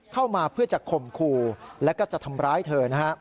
เข้ามาเพื่อจะข่มขู่แล้วก็จะทำร้ายเธอนะฮะ